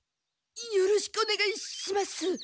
よろしくお願いします。